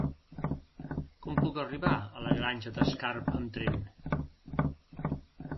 Com puc arribar a la Granja d'Escarp amb tren?